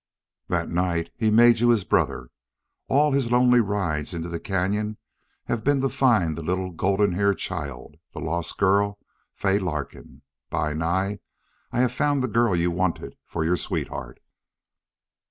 That night he made you his brother.... All his lonely rides into the cañon have been to find the little golden haired child, the lost girl Fay Larkin.... Bi Nai, I have found the girl you wanted for your sweetheart."